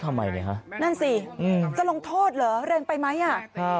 ทำไมเนี้ยคะนั่นสิอืมจะลงโทษหรือเร็งไปไหมอ่ะครับ